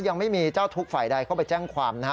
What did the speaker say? ยังไม่มีเจ้าทุกข์ฝ่ายใดเข้าไปแจ้งความนะฮะ